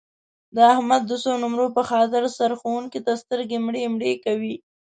د احمد د څو نمرو په خاطر سرښوونکي ته سترګې مړې مړې کوي.